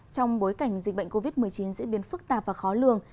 trong bối cảnh dịch bệnh covid một mươi chín diễn biến phức tạp và khó lường